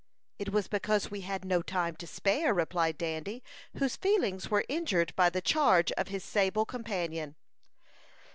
"It was because we had no time to spare," replied Dandy, whose feelings were injured by the charge of his sable companion.